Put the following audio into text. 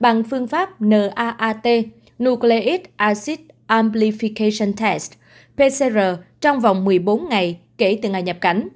bằng phương pháp naat nuclear acid amplification test pcr trong vòng một mươi bốn ngày kể từ ngày nhập cảnh